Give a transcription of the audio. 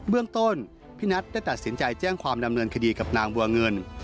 เรื่องต้นพี่นัทได้ตัดสินใจแจ้งความดำเนินคดีกับนางบัวเงิน